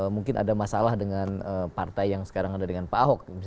mungkin ada masalah dengan partai yang sekarang ada dengan pak ahok